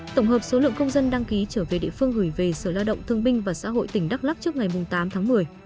tổng hợp số lượng công dân đăng ký trở về địa phương gửi về sở lao động thương binh và xã hội tỉnh đắk lắc trước ngày tám tháng một mươi